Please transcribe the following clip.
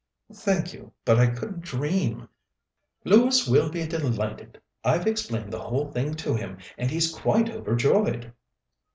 "Thank you; but I couldn't dream " "Lewis will be delighted. I've explained the whole thing to him, and he's quite overjoyed."